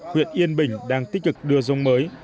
huyện yên bình đang tích cực đưa dông mới